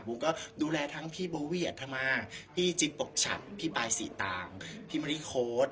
บุ้มก็ดูแลทั้งพี่โบเวียดธมาพี่จิตปกฉันพี่ปายศรีตามพี่มริโค้ด